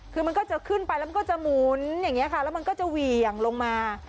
คือมันก็จะขึ้นไปแล้วมันก็จะหมุนอย่างนี้ค่ะแล้วมันก็จะเหวี่ยงลงมา